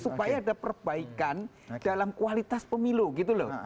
supaya ada perbaikan dalam kualitas pemilu gitu loh